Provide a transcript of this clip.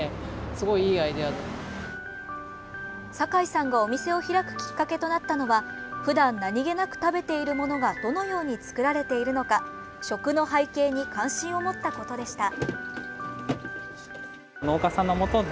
堺さんがお店を開くきっかけとなったのはふだん何気なく食べているものがどのように作られているのか食の背景に関心を持ったことでした。